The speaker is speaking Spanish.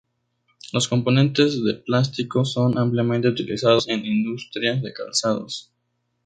Los componentes de plástico son ampliamente utilizados en industrias de calzados.